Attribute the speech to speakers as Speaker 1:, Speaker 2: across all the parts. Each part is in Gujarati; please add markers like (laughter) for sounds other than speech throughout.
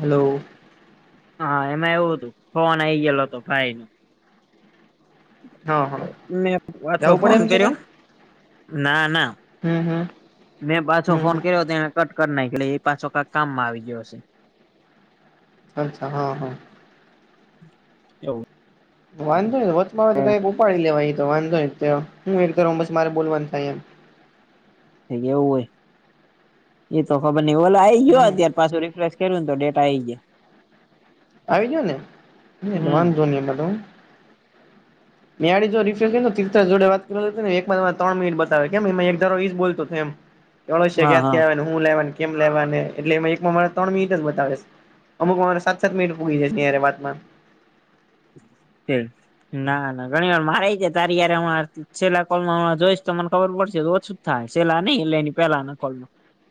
Speaker 1: હલો.
Speaker 2: હા એમાં એવું હતું ફોન આઈ ગયેલો હતો ભાઈ નો
Speaker 1: હા હા
Speaker 2: મેં પાછો
Speaker 1: જવું પડે
Speaker 2: ફોન
Speaker 1: એમ છે
Speaker 2: કર્યો
Speaker 1: કઈ
Speaker 2: ના ના
Speaker 1: હમ હમ
Speaker 2: મેં પાછો
Speaker 1: હમ
Speaker 2: ફોન કર્યો હતો એને કટ કર ના એટલે એ પાછો કક કામમાં આવી ગયો હશે.
Speaker 1: અચ્છા હા હા
Speaker 2: એવું
Speaker 1: વાંધો ન વતમાં તો કઈક ઉપાડી લેવા તો વાંધો ન હું એ બસ મારે બોલવાનું થાય એમ
Speaker 2: થ એવું હોય એ તો ખબર નઈ ઓલો આઈ ગયો
Speaker 1: હમ
Speaker 2: અતાર પાછું રિફલે કે તો ડેટા આ જ છે.
Speaker 1: આવીજ ને
Speaker 2: હમ
Speaker 1: વાંધ ધો બધ
Speaker 2: (inaudible)
Speaker 1: ળડી જો રિફ જોડે વાત કરને એક તણ મિનટ બતાવે કેમ એકારો ઈ જ બોતો હતો એમ
Speaker 2: (inaudible)
Speaker 1: એ છેગ્યાથી
Speaker 2: હા
Speaker 1: આવે હું લેવા કેમ લેવા એટલે એ એકમાં મા ત્રણ મિનિટ જ બતાવે છે અમુક મારે ત મિટ પૂગી છે ત્યારે વાતમાં
Speaker 2: (inaudible) ના ના ઘણી વાર મારે છે તારી યાર હ છેલ્લા કોલમાં હ જોઈશ તો મને ખબર પડશે ઓછું. થાય છેેલા નઈ એ પેલા નો કોલ ન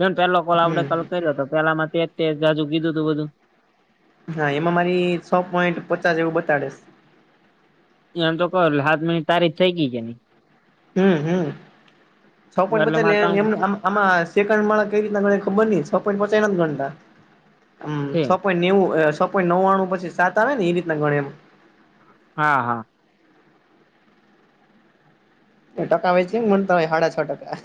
Speaker 2: ચલ પેલો કોલ આપડે
Speaker 1: હમ
Speaker 2: કાલ કર્યો હતો આપડે પેલામાં તેર તેર જાજુ કીધું તું બધું.
Speaker 1: હા એમાં મારી છોહ પોઈન્ટ પચાસ જેવું બતાડે શે
Speaker 2: એમ તો ક્વ એટલે હાથ મિનિટ તારી જ થઈ ગઈ કે ની
Speaker 1: હમ હમ છ પોઈન્ટ બતાડે એટલે એમમ આમાં સેકન્ડ વાળા કઈ રીતના ગણતા ખબર ની છ પોઈન્ટ પાછા નથી ગણતા
Speaker 2: છે
Speaker 1: જહ પોઇન્ટ નેવું અ જહ પોઇન્ટ નવાનું પછી સાત આવે ને એ રીતના ગણે એમ
Speaker 2: હાં હાં
Speaker 1: એ ટકા વેચે ને મને તા હાંડા છ ટકા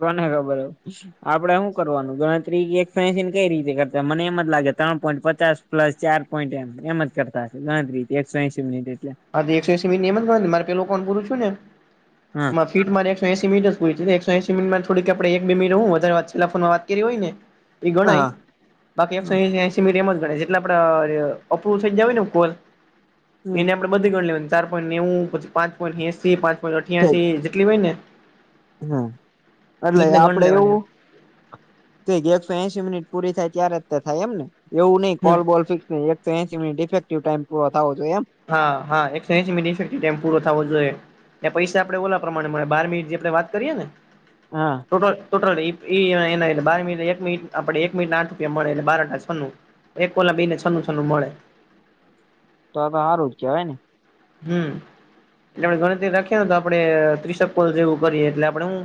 Speaker 2: કોણે ખબર હવે આપડે હુ કરવાનું ગણતરી એક ફસીન કઈ રીતે કરતા મને એમ જ લાગે ત્રણ પોઈન્ટ પચાસ. પ્લસ ચાર પોઈન્ટ એમ એમ જ કરતા હશે ગણતરી એકસો એસી મિનિટ એટલે.
Speaker 1: હા તો એકસો એસી મીટ ની એમ જ મારે પેલું ફોન પૂરું થયું ને એ.
Speaker 2: હા
Speaker 1: સીટમાં એકસો એસી મીનીટ જ પુરી એકસો એસી મીનીટમાં થોડીક આપણે એક બે મીનીટ હું વધારે છેલ્લા ફોમાં વાત કરી હોય ને
Speaker 2: (inaudible)
Speaker 1: એ ગનાઈ બાકી એકસો એસી એટલા ગણાય જેટલાં આપડા એપ્રુવ થય ગયા હોય ને કોલ
Speaker 2: હમ
Speaker 1: એને આપે બધી ગણ લે ચાર પોઈન્ટ નેવું પછી પાંચ પોઈન્ટ એસી પાંચ પોઈન્ટ
Speaker 2: ઠીક
Speaker 1: અઠ્યાસી જેટલી હોય ને
Speaker 2: હમ એટલે
Speaker 1: રીતના ગણ
Speaker 2: આપડે
Speaker 1: લેવાની
Speaker 2: એવું. એકસો એશી મિનિટ પૂરી થાય ત્ય્યારે જ થાય એમ ને એવું નઈ
Speaker 1: હમ
Speaker 2: કોલ બોલ ફિક્સ એકસો એસી મિનિટ ઇફક્ટિવ ટાઈમ પરો થવો જોએ એમ.
Speaker 1: હા હા એકસો એસીઈ મિનિટ ફફેકટીવ ટાઈમ પૂરો થવો જોઈએ. એ પૈસા આપડે ઓલા પ્રમાણે મળે બાર મિનિટ જે આપણે વાત કરીએ ને
Speaker 2: હા
Speaker 1: ટોટલ ટોટલ ઈ એના બાર મિનિટ એક મિનીટ આપડે એક મિનિટનસ આઠ રૂપિયા મળે એટલે બાર (unintelligible) જણું એક કોલા ના બેઈ ને છનું છનું મળે
Speaker 2: તો તો હારું જ કહેવાય ને
Speaker 1: હમ એટલે આપણે ગણતરી રાખીએ ને તો આપડે ત્રિસક્લ જેવું કરીએ એટલે આપડે હું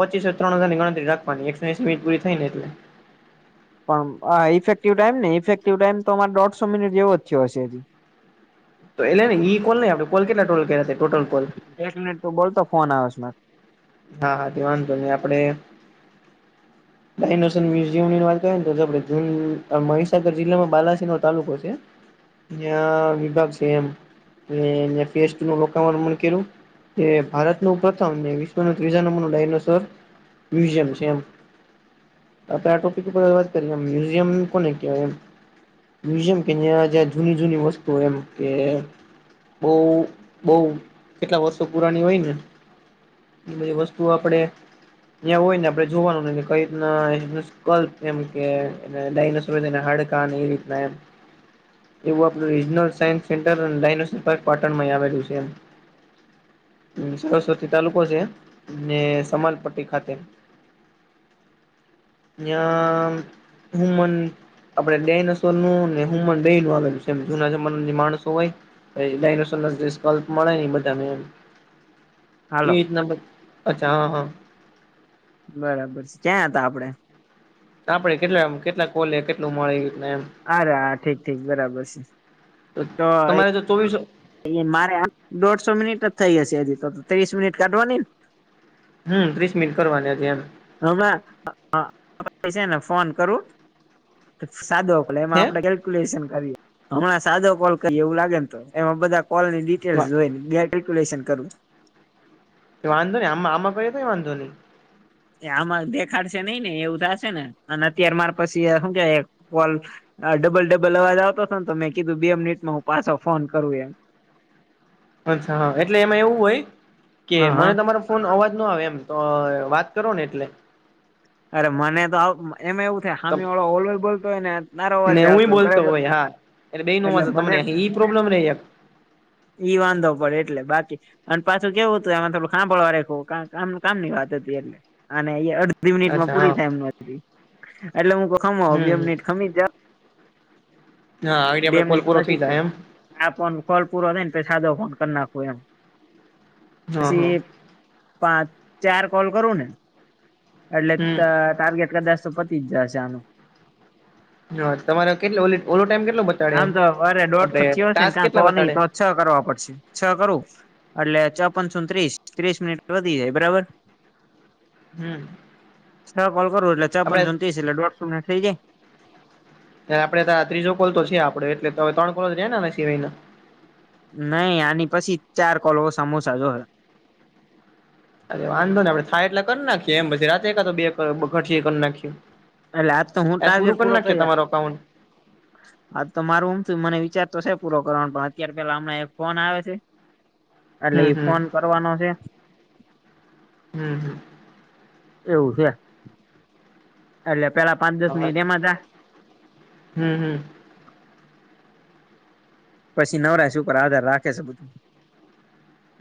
Speaker 1: પચીસ એ ત્રણ હજારની ગણતરી રાખવાની એકસો એસ મિનિટ પૂરી થઈ ને એટલે
Speaker 2: પણ આ ઇફેક્ટિવ ટાઈમ ને ઇફેક્ટિવ ટાઈમ તો અમારે દોઢસો મિનિટ જેવો જ થયો જે હજી હ
Speaker 1: તો એ લે ની એટલે ઈ કોલ નઈ આપડ કોલ કેટલા ટોટલ ટોટલ કોલ
Speaker 2: એક મિનિટ તો બોલતો ફોન આવે જે ને
Speaker 1: હા હા તે વાંધો નહી આપડે
Speaker 2: (inaudible)
Speaker 1: ડાયસ મ્યુઝિયમ ની વાતને તો મહીસાગર જિલ્લામાં બાલાસી નો તાલુકો છે જાયા વિભાગ છે એમ ને ત્યાં (unintelligible) નુ રોકાવાનું મને કીધું એ ભારત નું પ્રથમ ને વી પણ ત્રીજા નંબર નુ ડાયનોસોર મ્યુઝિયમ છે એમ અત્યારે આ ટોપિક પર વાત કરીએ મ્યુઝિયમ કોને કેવાઈ મ્યુઝિયમ કે જ્યાં જ્યાં જૂની જૂની વસ્તુ એમ કે બોહ બોહ કેટલા વર્ષો પુરાની હોય ને એ બધી વસ્તુઓ આપડે ત્યાં હોય ને આપડે જોવાનું કે કઈ રીતના સ્કલપ એમ કે દઈનોસૌર એ બધા ના હડકા ને એ રીતના એમ
Speaker 2: હ
Speaker 1: એવું આપણું regional science centre dinosaur Patan માં પણ આવેલું છે એમ પ્રિન્સિપાલ (unintelligible) (unintelligible) સમાલપટ્ટી ખાતે
Speaker 2: (inaudible)
Speaker 1: નાયા હુમન આપડે ડાયનાસર નું ને હુમન બેનું આવે છેમ જૂના જમાના જે માણસો હોય (unintelligible) મળે ન બધાને એમ
Speaker 2: હાલો
Speaker 1: એના અચ્છા હા હા
Speaker 2: બરાબર છે ક્યાં હતા આપડે?
Speaker 1: આપડે કેટલા કેટલા કોલે કેટલું મળે એમ.
Speaker 2: અરે હા ઠીક ઠીક બરાબર છે તો
Speaker 1: તમારે જો ચોવીસ
Speaker 2: એ મારે આ દોઢસો મિનિટ જ થઈ હશે હજી તો ત્રીસ મિનિટ કાઢવાની ને!
Speaker 1: હમ ત્રીસ મિનિટ કરવાની હતી એમ.
Speaker 2: હ છે ને ફોન કરું સાદો. એમાં
Speaker 1: હે
Speaker 2: આપણે કેલ્ક્યુલેશન કરીએ હમણાં સાદો કોલ કરીએ એવું લાગે ને તો એમાં બધા કોલની ડી (unintelligible) કેલકુલેશન કરવું
Speaker 1: વાંધ નહીઈ આ આમાં કએ તો વાંધો નહીં.
Speaker 2: એ આમાં દેખાડશે નઈ ને એવું થશે ને અને અત્યારે મારે પછી શું કહેવાય કોલ હા ડબલ ડબલ અવાજ આવતો હતો ને તો મેં કીધું બે મિનિટમાં હું પાછો ફોન કરું એમ.
Speaker 1: અચ્છા હા એટલે એમાં એવું હોય કે
Speaker 2: હા હા
Speaker 1: મને તમારો ફોન અવાજ ન આવે એમ તો વાત કરો ને એટલે.
Speaker 2: અરે મને તો એમાં એવું થાય હામે વાળો ઓલ‌ બોલતો હોય ને તારો
Speaker 1: ને
Speaker 2: અવાજે આવતો
Speaker 1: હું
Speaker 2: હોય
Speaker 1: બોલતો
Speaker 2: બરાબર.
Speaker 1: (unintelligible)
Speaker 2: એટલે મને
Speaker 1: તમને એ પ્રોબ્લેમ રહી
Speaker 2: ઈ વાંધો પડે એટલે બાકી અને પાછું કેવું હતું આમાં હાભળવા રખ કામ કામની વાત હતી એટલે અડઘી મિનિટમાં
Speaker 1: અચ્છા
Speaker 2: પુરી
Speaker 1: હા
Speaker 2: થાય એમ એટલે હું ખમ બે
Speaker 1: હમ
Speaker 2: મિનિટ ખમી જ જ
Speaker 1: હા આવી આપડે
Speaker 2: મિનિટ
Speaker 1: કોલપુરો
Speaker 2: પછી
Speaker 1: થઈ જાય એમ.
Speaker 2: આ ફ ફોલ પૂરો થઈને પ સાધો ફોન કરી નાખો એમ
Speaker 1: હા હા
Speaker 2: પછી પાંચ ચાર કોલ કરું ને એટલે
Speaker 1: હમ
Speaker 2: ટાર્ગેટ કદાસ જશે આનું
Speaker 1: હા તમારે કેટલો ઓવર ટાઈમ કેટલો બતાડે
Speaker 2: આમ
Speaker 1: એમ
Speaker 2: તો અરે દોઢ
Speaker 1: આપડે
Speaker 2: સથી હશે ને
Speaker 1: ટાસ્ક
Speaker 2: કા તો
Speaker 1: કેટલા
Speaker 2: નહી
Speaker 1: બતાડે
Speaker 2: તો છ કરવા પડશે છ કરવું એટલે ચોપનસો ત્રીસ ત્રીસ મિનિટ વધી જાય બરાબર
Speaker 1: હમ
Speaker 2: છ કોલ કરું એટલે છ પંચો
Speaker 1: આપડે
Speaker 2: ત્રીસ એટલે દોઢસો મિનટ થઈ જાય
Speaker 1: આપડે ત ત્રીજો કોલ તો છે આપડો એટલે ત્રણ કોલ જ ર ને સિવાય ના
Speaker 2: નહી આની પછી ચાર કોલો સમોસા જોહે
Speaker 1: અરે વાંધો ને આપડે થાય એટલે કરી નાખીએ એમ પછ રાત્રા તો બે ઘર કરી નાખી
Speaker 2: એટલે આજ તો હું ટાર્ગેટ પૂરો કરીયા.
Speaker 1: અકાઉન્ટ
Speaker 2: હા તો મારું એમ થ મને વિચાર તો છે પૂરો કરવાનો પણ અત્યારે પેલા હમણાં એક ફોન આવે છે એટલે
Speaker 1: હમ
Speaker 2: એ
Speaker 1: હમ
Speaker 2: ફોન કરવાનો છે
Speaker 1: હમ હમ
Speaker 2: એવું છે એટલે પેલા પાંચ દસ મિનિટ એમાં થ
Speaker 1: હમ્મ હમ્મ
Speaker 2: પછી નવરા છે ઉપર આધાર રાખે છે બધું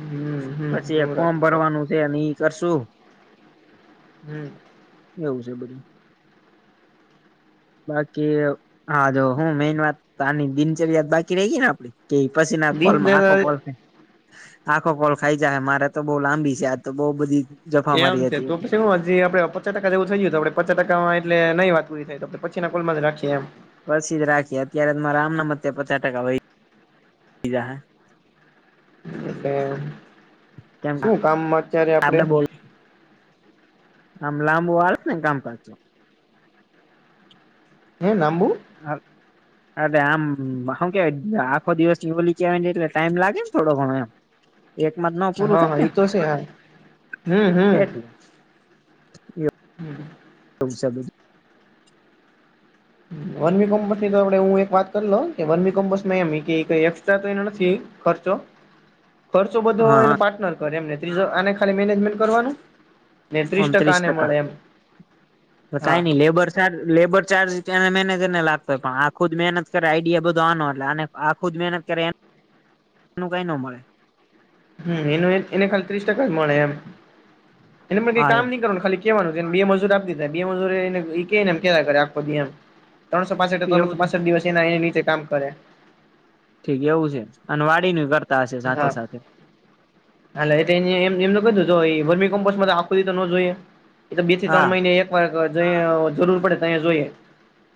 Speaker 1: હમ હમ
Speaker 2: પછી એક ફોર્મ
Speaker 1: હમ હમ
Speaker 2: ભરવાનું છે અને ઈ કરશુ
Speaker 1: હમ્મ.
Speaker 2: એવું છે બધું બાકી હા જો હું મેન વાતની દિનચર્યા બાકી રહી ગય ને આપડી કે પછી ના કોલમાં આખો
Speaker 1: દિનચર્યા
Speaker 2: કોલ છે. આખો કોલ ખાઈ જાય હ મારે તો બહુ લાંબી છે આજ તો બઉ બધી જફા
Speaker 1: એમ
Speaker 2: મારી
Speaker 1: છે
Speaker 2: હતી
Speaker 1: તો પછી શું હજી આપડે પચાસ ટકા જેવું થાયયું તો આપણે પચાસ ટકામાં એટલે નહીં વાત પરી થાય તો આપ પછી ના કોલમાં જ રાખીએ એમ
Speaker 2: પસીજ રાખીએ અત્યારે મારા આમના મ પચાસ ટકા વય જાહે
Speaker 1: એટલે
Speaker 2: કેમ
Speaker 1: શું કામમાં અત્યારે આપડે
Speaker 2: આમ લાંબુ વાળ છે ને કામ કરજો
Speaker 1: હે નામવું
Speaker 2: હ અલે આમ શમ કેવાય આખો દિવસ ની ઓલી કવાને એટલે ટાઈમ લાગે ને થોડો ઘણો એમ એકમાં જ નવ પૂરું
Speaker 1: હા
Speaker 2: થાય
Speaker 1: હા
Speaker 2: ને
Speaker 1: ઈ તો છે હા હમ
Speaker 2: એટલે
Speaker 1: હમ
Speaker 2: એ
Speaker 1: (inaudible)
Speaker 2: બું-
Speaker 1: વનમી કોમ્પસ ની તો આપડે હું એક વાત કરીલો કે વનમી કોમ્પસ માં એમ એકક્સ્ટ્રા તો એ નથી ખર્ચો ખર્ચો
Speaker 2: હા
Speaker 1: બધોય એ
Speaker 2: હા
Speaker 1: પાર્ટનર કરે એમને ત્રીજો આને ખાલી મેનેજમેન્ટ કરવાનું ને ત્રીસ
Speaker 2: ઓત્રીસ
Speaker 1: આને
Speaker 2: ટકા
Speaker 1: મળે એમ હા
Speaker 2: કઈ નઈ લેબર લેબર ચાર્જને મહેનજર ને લાગતો હો પણ આખુ જ મહેનત કરે આઈડિયા બધો આનો એટલે આ આખું જ મહેનત કરે કઈ ન મળે
Speaker 1: હમ એનું એને ખાલી ત્રીસ ટકા જ મળે એમ એને પણ કઈ
Speaker 2: હા
Speaker 1: કામ
Speaker 2: એમ
Speaker 1: નહી કરવા ખાલી કેવાનુંને બે મજૂર આપ દીધાય બે મજૂરી એનેને એમ કેેખોદિ એમ ત્રણસો પાસઠ
Speaker 2: એવું
Speaker 1: ત્રણસો
Speaker 2: છે
Speaker 1: પાસઠ દિવસ એના એનીચે કામ કરે
Speaker 2: ઠીક એવું છે અને વાળી કરતા હશે સાથે
Speaker 1: હા
Speaker 2: સાથે
Speaker 1: હાલે એ એમ એમ કધું એ વર્મી કમ્પોસ્ટમાં આખું તો ન જોઈએ એ તો બે થી ત્રણ
Speaker 2: હા
Speaker 1: મહિને એક વાર જ જરૂર પડે ત જોઈએ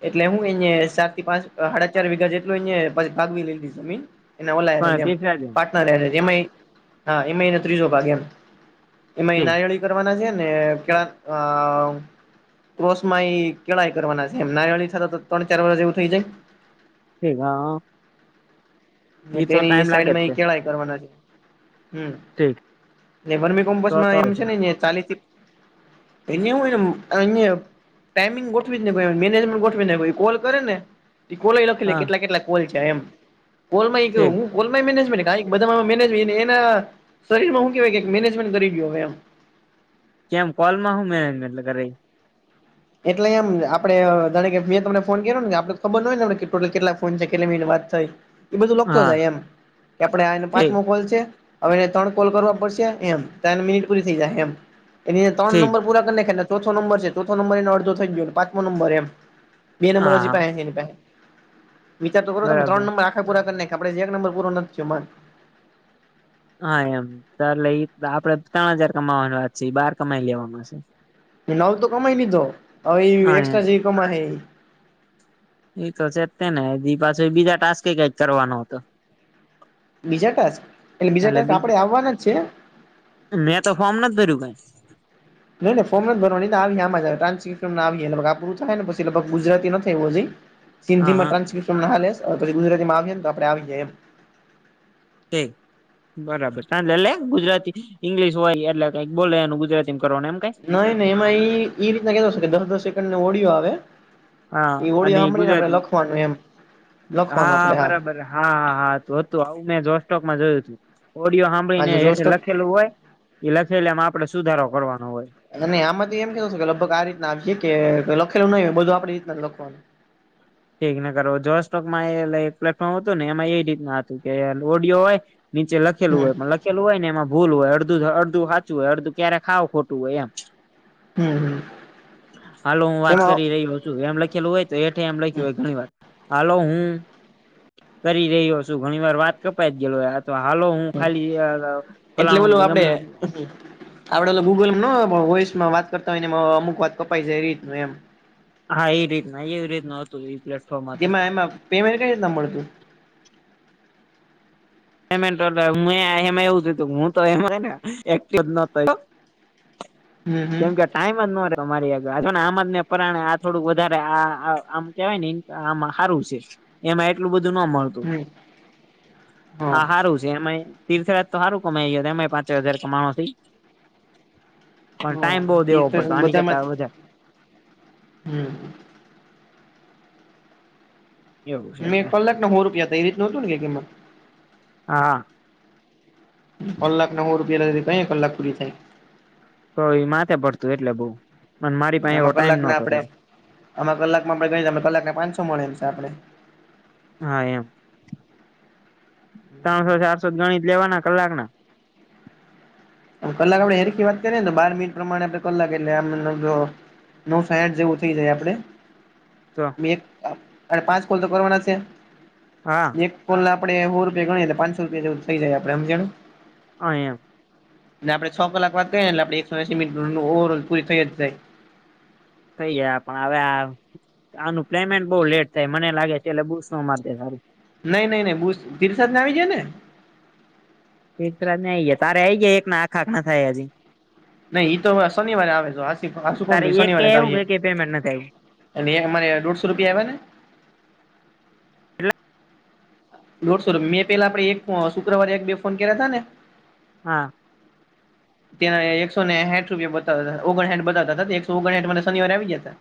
Speaker 1: એટલે હું એ સાત થી પાંચ સાડા ચાર વિીઘા જેટલું એછ ભાગવી લીધી જમીન એના
Speaker 2: પણ
Speaker 1: ઓરેલીમ
Speaker 2: તીસરા દિન
Speaker 1: હા એમાં એ ત્રીજો ભાગ એમ એમાં
Speaker 2: ઠીક
Speaker 1: નાય- કરવાના છે ને કે ક્રોસ માં એ કેળાઈ કરવાના છે એમ નારયળ થ ત્રણ ચાર વાર જેવું થઈ જાય
Speaker 2: છે ગ
Speaker 1: તેની
Speaker 2: લાગે જ
Speaker 1: સાઈડમાં
Speaker 2: છે
Speaker 1: કેળય
Speaker 2: ઠીક
Speaker 1: બર્મી
Speaker 2: તો તો
Speaker 1: કોમ્પસમાં એમ છે ને ચાલીથી એને અન ટાઈમિંગ ગોઠવી જ ને કો મેનેજમેન્ટ ગોઠવીને કો કોલે ને કોલ લખી લ
Speaker 2: હા
Speaker 1: કેટલા કેટલા કોલ છે એમ કોલ માં એ
Speaker 2: ઠીક
Speaker 1: હું ઓમેધા એના શરીરમાંું કેવાય મેનેજમેન્ટ કરી ગ હવે એમ
Speaker 2: કેમ કોલમાં શું મેનેજમેન્ટ કર
Speaker 1: એટલે એમ આપડે જાણે કે મેંમને ફોન કર્યોને આપડે ખબર હોય ને ટોટલ કેટલા ફોન છે કેટલી મિનટ વાત થ એ બધું લખતો
Speaker 2: હા
Speaker 1: જાય એમ કે આપડે આનો
Speaker 2: ઠીક
Speaker 1: પાંચમો કોલ છે હવેને ત્રણ કોલ કરવા પડશે એમ ત્ર મિનિટ પૂરી થઈ જાયમ એની ત્રણ
Speaker 2: ઠીક
Speaker 1: નંબર પૂરા કરીો નંબર છે ચો નંર એ અડો થઈ ગયો પાંચો નંબર એમ બે નંબર
Speaker 2: હા
Speaker 1: હ
Speaker 2: હા
Speaker 1: પાસે છે એની પાસે વિચાર તો કરો તમે
Speaker 2: બરાબર
Speaker 1: ત્રણ નંબર પૂરા કરીખ આપણેે એક નંબર પૂરો નથીને
Speaker 2: હા એમ તલે એ આપડે ત્રણ હજાર કમાવાની વાત છે બાર કમાઈ લેવાવામાં છે
Speaker 1: નવ તો કમાઈ લીધો હવે એ
Speaker 2: હા એમ
Speaker 1: એકક્સ્ટ્રા જેવી કમા હ એ
Speaker 2: એ તો છે તે ને બી પાછ બીજા ટાસ્કે કક કરવાનો હતો
Speaker 1: બીજા ટક એટલે બીજા ટ આપડે આવવાના જ છે
Speaker 2: મેં તો ફોર્મ ન ભર્યું કઈ
Speaker 1: નઈ ન ફોર્મ જ ભરવા ન આમાં ટ્રાન્સલે આવીગ આપણું થાયને પછીગ ગુજરાતી નથી એવું જઈ સિંધી
Speaker 2: હા હા
Speaker 1: માં્રાન્સ્કિપ્શ નાાે પછી ગુજરાતીમાં આવી ને તો આપણે આવી જઈએમ
Speaker 2: ઠીક બરાબર સાાલે એટલે ગુજરાતી ઈંગ્લિશ હોય એટલે કઈક બોલે એનું ગુજરાતી કરવાનું એમ કઈ
Speaker 1: નઈ નહી એમાં એ રીતના કધશે દસ દસ સેકન્ડ ને ઓડિયો આવે
Speaker 2: હા
Speaker 1: એ ઓળ
Speaker 2: અને
Speaker 1: સાંભળીને આપડે
Speaker 2: ગુજરાતી
Speaker 1: લખવાનું એમ લખવાનું આપડે હા
Speaker 2: હા હા હા હતું આવું મેં જોસ્ટોકમાં જોયું હતું ઓડિયો
Speaker 1: હા જો
Speaker 2: સાંભળીને
Speaker 1: જોશ
Speaker 2: હેઠ
Speaker 1: તો
Speaker 2: લખેલું હોય એ લખેલામાં આપડે સુધારો કરવાનો હોય
Speaker 1: નહી આમાં તો એમ કીધું છે કે લગભગ આ રીતના આવીે કે લખેલું નહી હોય બધું આપડી રીતના લખવાનું
Speaker 2: ઠીક ને કર જોસ્ટોકમાં એ પ્લેટફોર્મ હતું ને એમાં એ રીતના હતું કે ઓડિયો હોય નીચે લખેલું હોય
Speaker 1: હમ
Speaker 2: મ કેલું હોય ને એમાં ભૂલ હોય અડધું અડધું સાચું હોય અડધું ક્યારે ખાવ ખોટું હોય એમ
Speaker 1: હમ હમ
Speaker 2: હાલો હું વાત
Speaker 1: તેમાં
Speaker 2: કરી રહી એમ લખેલું હોય તો એઠ એમ લખ્યું હોય ઘણી વાર હાલો હું કરી રહ્યો છું ઘણી વાર વાત કપાઈ ગેલો તો હાલો હું ખાલી
Speaker 1: એટલે
Speaker 2: ફલાણું
Speaker 1: બોલું
Speaker 2: કે
Speaker 1: આપડે
Speaker 2: ગમે
Speaker 1: આપડે તો ગૂગલોસમાં વાત કરતા હોય ને અમુક વાત કપાઈ જાય એ રીતનું એમ
Speaker 2: હા એ રીતના એવી રીત ન હતું એ પ્લેટફોર્મમાં તો
Speaker 1: પેમેન્ટટ કર જ દં મળ તું
Speaker 2: પેમેન્ટ એમાં એવું થું હું તો એમાંને એક ન
Speaker 1: હમ હમ
Speaker 2: કેમ કર સામ જ ન ર અ મારી આગથવા ને આમ જ ને પરાણે આ થોડું વધારે આ આમ કેવાય ને આમાં સારું છે એમાં એટલું બધું ના મળત
Speaker 1: હમ હા
Speaker 2: આ સારું છે એમાંય તીર્થરાજ તો સારું કમાય ગ એમાં પાંચ હજાર કમાણ પણ ટાઈમ બહુ દેવો
Speaker 1: હા
Speaker 2: પડતો આની
Speaker 1: બધામાં
Speaker 2: કરતા વધારે
Speaker 1: હમ
Speaker 2: એવું છે
Speaker 1: મેં
Speaker 2: એટલે
Speaker 1: કલાકને હોો રૂપિયા તો એ રી નહોું ને કે કિમત
Speaker 2: હા
Speaker 1: કલાક નવો રૂપિયા કઈ કલાક કુએ થાય
Speaker 2: તો એ માથે પડતું એટલે બઉ મારી પાસે એવો
Speaker 1: આમાં
Speaker 2: ટાઈમ
Speaker 1: કલાક ના
Speaker 2: નતો
Speaker 1: આપડે આમાં કલાકમાં આપણે ગણી કલાક પાંસો મળેમ છે આપણે
Speaker 2: હા એમ ત્રણસો ચારસો ગણિત લેવાના કલાક ના
Speaker 1: કલાક આપડે હેખી વાત કરીએ તો બાર મિનિટ પ્રમાણે આપડે કલાક એટલે આમ જો નવ સાઠ જેવું થઇ જાય આપડે
Speaker 2: તો
Speaker 1: એક અને પાંચ કોલ તો કરવાના છે
Speaker 2: હા
Speaker 1: એક પોલ આપડે હોો રૂપિયા ગણીએટલે પાંસો રૂપિયા જે થઈ જાય આપે સમજણું
Speaker 2: અ એમ
Speaker 1: ને આપણે છ કલાક વાતઈએ એટ આપ એકસો એસી મિનિટ ઓવર ઓલ પૂરી થઈ જાય
Speaker 2: થઈ ગયા પણ હવે આ આનું પેમેન્ટ બહ લેટ થાય મને લાગે છે એટલે બૂસ માટે સારું
Speaker 1: નઈ નહી નઈ ભ તીરસને આવી જાય ને
Speaker 2: તેરા ને આ આવી ગાય તારે આ આવી ગાય એક ના આખાખ ના થાય હજી
Speaker 1: નહી તો શનિવારે આવે છે હ આ શું કોણ
Speaker 2: તારે
Speaker 1: થય
Speaker 2: એક કે
Speaker 1: શનિવારે
Speaker 2: એવું
Speaker 1: જએ
Speaker 2: કે કે પેમેન્ટ નથી આવ્યું
Speaker 1: અને અમારે દોઢસો રૂપિયા આવવા ને લોડસો મેં પેલા આપણે એક શુક્રવારે એક બે ફોન કર્યા તા ને
Speaker 2: હા
Speaker 1: ત્યાં એકસો ને હઠ રૂપિયા બતા હતા ઓગણ હઠ બતાવતા હતા એકસો ઓગણહઠ મ શનિવાર આવી ગ જ હતા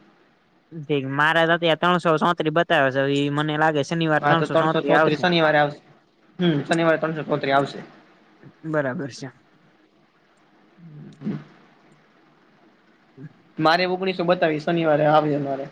Speaker 2: જ મારા ત ત્રણસો સોત્રી બતાવે છે એ મને લાગે છે
Speaker 1: હા તો ત્રણસો ચોત્રી શનિવારે આવશે હમ શનિવારે ત્રણસો ચોતરી આવશે
Speaker 2: બરાબર છે હમ
Speaker 1: મારે ઓગણીસો બતાવીસ શનિવારે આવે મારે